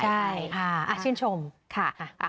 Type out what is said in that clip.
ใช่ค่ะชื่นชมค่ะ